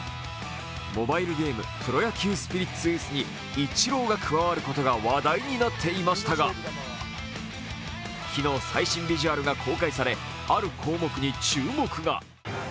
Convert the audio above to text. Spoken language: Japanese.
モバイルゲーム「プロ野球スピリッツＡ」にイチローが加わることが話題になっていましたが、昨日、最新ビジュアルが公開されある項目に注目が。